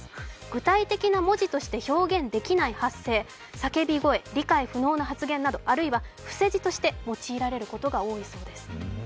具体的な文字として表現できない発声叫び声、理解不能な発言など、あるいは伏せ字として用いられることが多いそうです。